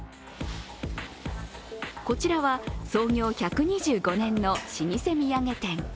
こちらは創業１２５年の老舗土産店。